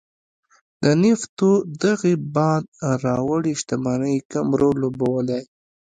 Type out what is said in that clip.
د نفتو دغې باد راوړې شتمنۍ کم رول لوبولی.